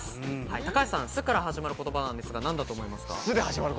高橋さん「ス」から始まる言葉、なんだと思いますか？